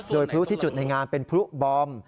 โดยพลุที่จุดในงานเป็นพลุบอม